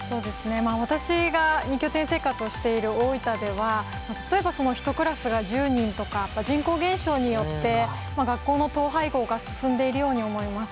私が２拠点生活をしている大分では、例えば１クラスが１０人とか、人口減少によって、学校の統廃合が進んでいるように思います。